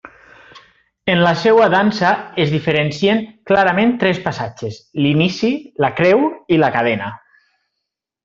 En la seva dansa es diferencien clarament tres passatges: l'inici, la creu i la cadena.